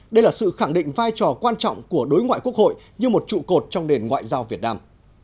đây là sự khẳng định vai trò quan trọng của đối ngoại quốc hội như một trụ cột trong nền ngoại giao việt nam